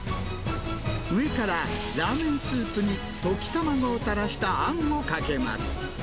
上からラーメンスープに溶き卵を垂らしたあんをかけます。